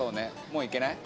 もういけない？